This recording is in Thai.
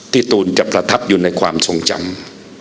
ตูนจะประทับอยู่ในความทรงจำ